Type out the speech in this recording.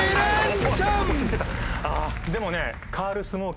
でもね。